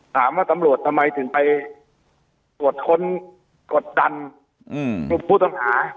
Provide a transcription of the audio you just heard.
ถามว่าตำรวจทำไมถึงไปตรวจค้นกดดันผู้ตำรา